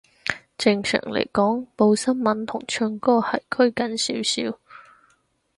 正常嚟講，報新聞同唱歌係拘謹少少